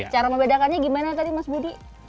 cara membedakannya gimana tadi mas budi